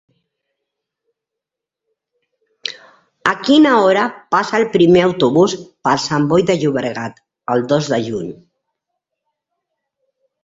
A quina hora passa el primer autobús per Sant Boi de Llobregat el dos de juny?